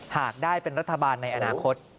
หากได้เป็นรัฐบาลในอนาคต